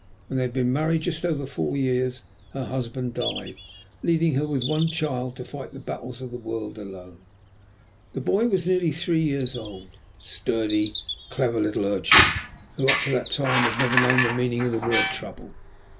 When they had been married just over four years her husband died, leaving her with one child to fight the battles of the world alone. The boy was nearly three years old, a sturdy, clever little urchin, who, up to that time, had never known the meaning of the word trouble.